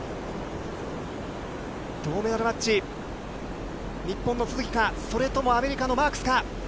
銅メダルマッチ、日本の都筑か、それともアメリカのマークスか。